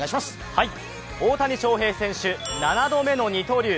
大谷翔平選手、７度目の二刀流。